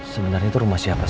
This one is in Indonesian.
sebenarnya itu rumah siapa